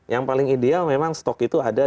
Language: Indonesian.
yang paling ideal memang stok itu ada